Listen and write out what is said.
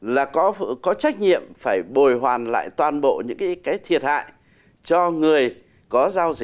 là có trách nhiệm phải bồi hoàn lại toàn bộ những cái thiệt hại cho người có giao dịch